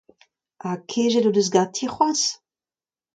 Ha kejet o deus ganti c'hoazh ?